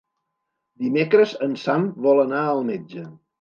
Dimecres en Sam vol anar al metge.